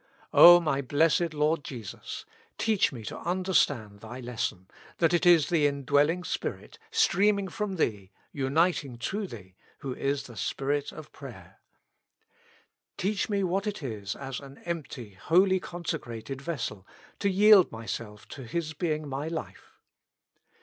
O my Blessed Lord Jesus ! teach me to understand Thy lesson, that it is the indwelling Spirit, streaming from Thee, uniting to Thee, who is the Spirit of prayer. Teach me what it is as an empty, wholly consecrated vessel, to yield myself to His being my life.